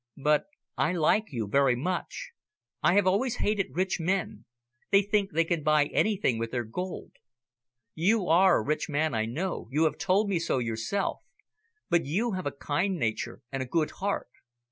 But I like you very much. I have always hated rich men; they think they can buy anything with their gold. You are a rich man, I know, you have told me so yourself, but you have a kind nature and a good heart."